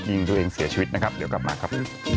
ยิงตัวเองเสียชีวิตนะครับเดี๋ยวกลับมาครับ